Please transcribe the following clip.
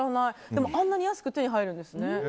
でも、あんなに安く手に入るんですね。